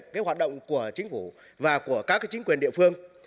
đối với hoạt động của chính phủ và của các chính quyền địa phương